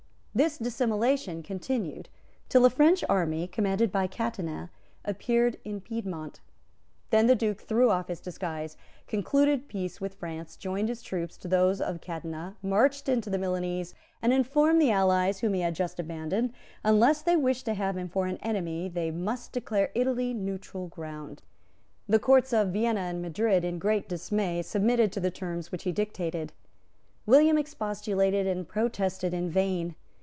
This dissimulation continued till a French army, commanded by Catinat, appeared in Piedmont. Then the Duke threw off his disguise, concluded peace with France, joined his troops to those of Catinat, marched into the Milanese, and informed the allies whom he had just abandoned that, unless they wished to have him for an enemy, they must declare Italy neutral ground. The Courts of Vienna and Madrid, in great dismay, submitted to the terms which he dictated. William expostulated and protested in vain.